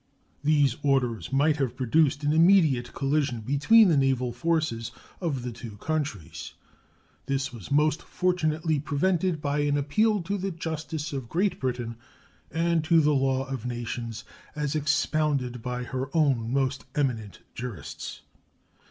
These orders might have produced an immediate collision between the naval forces of the two countries. This was most fortunately prevented by an appeal to the justice of Great Britain and to the law of nations as expounded by her own most eminent jurists.